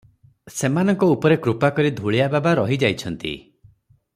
ସେମାନଙ୍କ ଉପରେ କୃପା କରି ଧୂଳିଆ ବାବା ରହି ଯାଇଛନ୍ତି ।